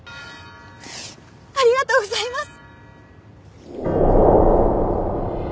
ありがとうございます！